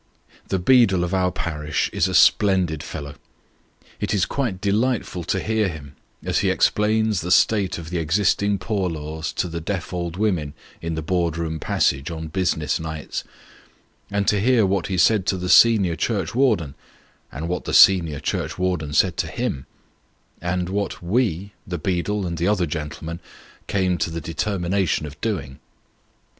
Tlio beadle of our parish is a splendid fellow. It is quite delightful to hear him, as he explains the state of the existing poor laws to the deaf old women in the board room passage on business nights ; and to hear what he said to the senior churchwarden, and what the senior churchwarden said to him; and what "we" (the beadle and the other gentlemen) came to the determination of doing.